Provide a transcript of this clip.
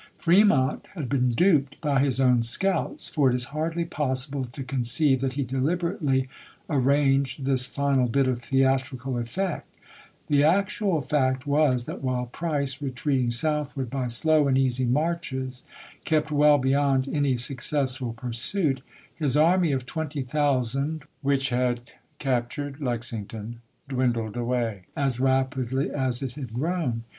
Fremont had been duped by his own scouts ; for it is hardly possible to conceive that he deliberately arranged this final bit of theatrical effect. The actual fact was that while Price, retreating southward, by " slow and easy marches," kept well beyond any successful pursuit, his army of twenty thousand which had captured Lexington dwindled away as rapidly as it had gi'own.